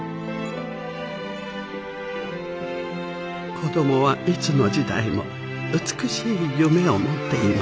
子どもはいつの時代も美しい夢を持っています。